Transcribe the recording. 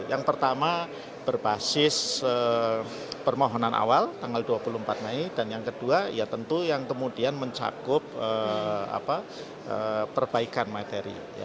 yang pertama berbasis permohonan awal tanggal dua puluh empat mei dan yang kedua ya tentu yang kemudian mencakup perbaikan materi